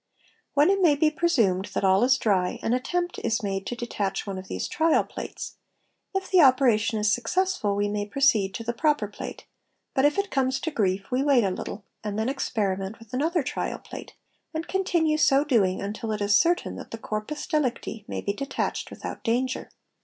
When it may be presumed that all is dry, an attempt is made to detach one of these trial plates; if the operation is successful we may proceed to the proper plate, but if it comes to grief we ' wait a little and then experiment with another trial plate, and continue so doing until it is certain that the corpus delictt may be detached with out danger.